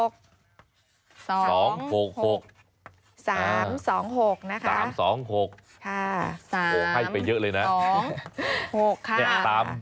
ค่ะ๓๒๖ค่ะ๓๒๖ค่ะโหให้ไปเยอะเลยนะ